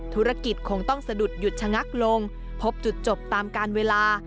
ธุรกิจคงต้องสะดุดหยุดชะงักลงพบจุดจบตามการเวลา